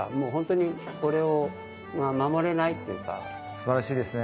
素晴らしいですね。